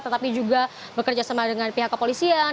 tetapi juga bekerjasama dengan pihak kepolisian